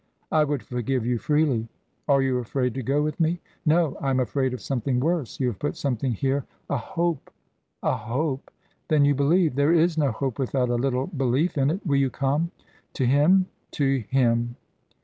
"I would forgive you freely " "Are you afraid to go with me?" "No. I am afraid of something worse. You have put something here a hope " "A hope? Then you believe. There is no hope without a little belief in it. Will you come?" "To him?" "To him."